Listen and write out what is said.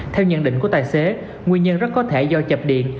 theo nhận định của tài xế nguyên nhân rất có thể do chập điện